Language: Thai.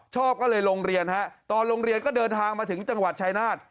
ชอบก็เลยโรงเรียนฮะตอนโรงเรียนก็เดินทางมาถึงจังหวัดชายนาฏ